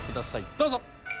どうぞ。